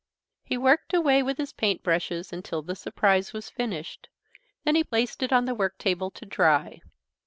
He worked away with his paint brushes until the surprise was finished. Then he placed it on the work table to dry.